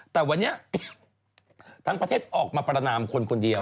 แต่วันนี้ทั้งประเทศออกมาประนามคนคนเดียว